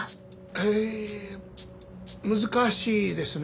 えー難しいですね。